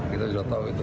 kita sudah tahu itu